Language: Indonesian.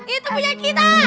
itu punya kita